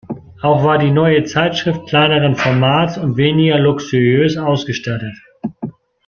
Auch war die neue Zeitschrift kleineren Formats und weniger luxuriös ausgestattet.